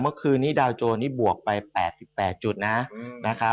เมื่อคืนนี้ดาวโจรนี่บวกไป๘๘จุดนะครับ